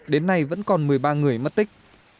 đến nay vẫn còn một mươi ba người mất tích